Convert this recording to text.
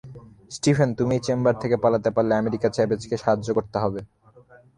Stephen, তুমি এই chamber থেকে পালাতে পারলে, আমেরিকা চাবেজকে সাহায্য করতে হবে।